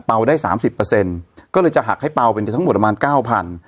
ได้สามสิบเปอร์เซ็นต์ก็เลยจะหักให้เปล่าเป็นจะทั้งหมดประมาณเก้าพัน